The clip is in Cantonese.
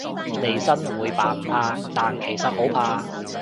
利申會扮唔怕，但其實好怕